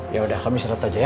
yaudah kami istirahat aja ya